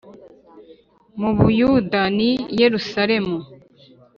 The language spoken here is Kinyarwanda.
mu Buyuda ni Yerusalemu